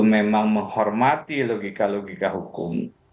memang menghormati logika logika hukum